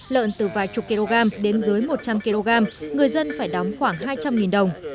lợn từ vài chục kg đến dưới một trăm linh kg người dân phải đóng khoảng hai trăm linh đồng